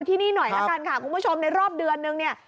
ที่นี่หน่อยละกันค่ะคุณผู้ชมในรอบเดือนนึงเนี่ย